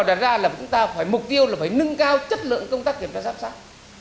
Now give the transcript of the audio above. đặt ra là chúng ta phải mục tiêu là phải nâng cao chất lượng công tác kiểm tra giám sát